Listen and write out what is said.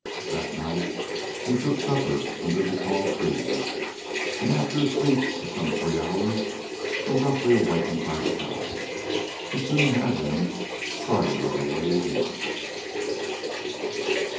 That night they took supper under the tall trees, and after a sleep of some three hours, were roughly awakened by the guide, who soon had them started on their way again.